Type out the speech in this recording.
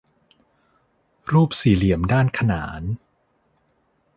รูปสี่เหลี่ยมด้านขนาน